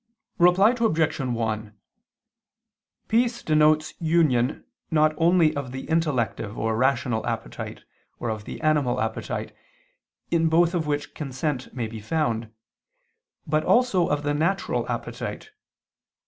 Reply Obj. 1: Peace denotes union not only of the intellective or rational appetite, or of the animal appetite, in both of which consent may be found, but also of the natural appetite.